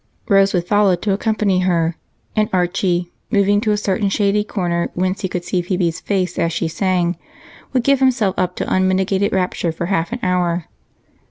Rose would follow to accompany her, and Archie, moving to a certain shady corner whence he could see Phebe's face as she sang, would give himself up to unmitigated rapture for half an hour.